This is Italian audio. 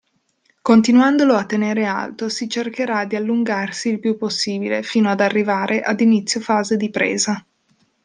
Continuandolo a tenere alto si cercherà di allungarsi il più possibile fino ad arrivare ad inizio fase di presa.